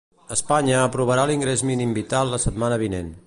Espanya aprovarà l'ingrés mínim vital la setmana vinent.